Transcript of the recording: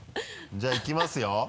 じゃあいきますよ。